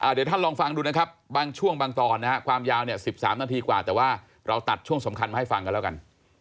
เดี๋ยวท่านลองฟังดูนะครับบางช่วงบางตอนนะฮะความยาว๑๓นาทีกว่าแต่ว่าเราตัดช่วงสำคัญมาให้ฟังกันแล้วกัน